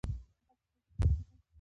هغه د کتاب پوښ ډیزاین کړ.